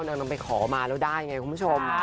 นางนำไปขอมาแล้วได้ไงคุณผู้ชม